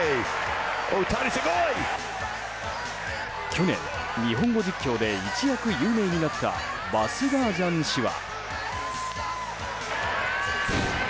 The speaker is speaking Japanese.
去年、日本語実況で一躍有名になったバスガージャン氏は。